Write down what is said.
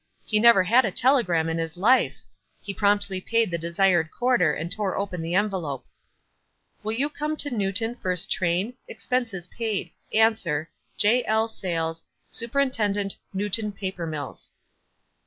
He never had a telegram in his life ! He promptly paid the desired quarter, and tore open the envelope. 78 WISE A2\ T D OTHERWISE. "Will you come to Newton first train? Ex penses paid. Answer. "J. L. Satles, "Supt. Newton Paper Mills."